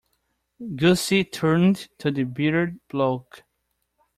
Gussie turned to the bearded bloke.